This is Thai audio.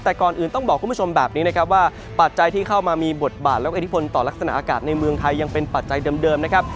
แต่ก่อนอื่นต้องบอกคุณผู้ชมแบบนี้นะครับว่าปัจจัยที่เข้ามามีบทบาทและอิทธิพลต่อลักษณะอากาศในเมืองไทยยังเป็นปัจจัยเดิมนะครับ